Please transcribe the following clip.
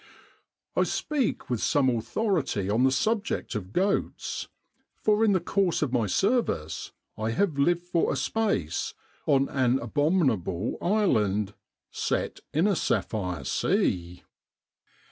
I speak with some authority on the sub ject of goats, for in the course of my service I have lived for a space on an abominable island " set in a sapphire sea."